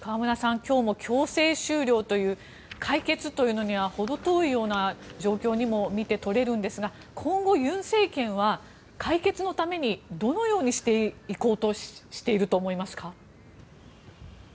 今日も強制終了という解決というのにはほど遠いような状況にも見て取れるんですが今後、尹政権は解決のためにどのようにしていこうとしていると思いますか。